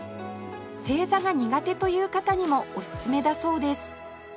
正座が苦手という方にもおすすめだそうです